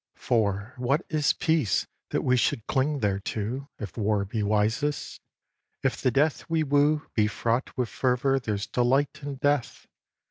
v. For, what is peace that we should cling thereto If war be wisest? If the death we woo Be fraught with fervor there's delight in death!